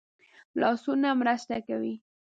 لاسونه مرسته کوي